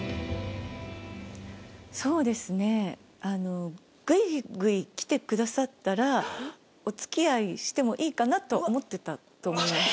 そうですね、あの、ぐいぐい来てくださったら、おつきあいしてもいいかなと思ってたと思います。